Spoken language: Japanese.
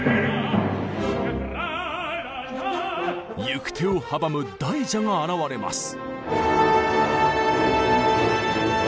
行く手を阻む大蛇が現れます。